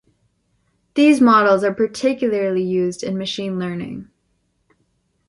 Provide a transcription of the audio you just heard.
These models are particularly used in machine learning.